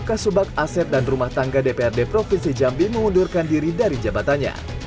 kasubak aset dan rumah tangga dprd provinsi jambi mengundurkan diri dari jabatannya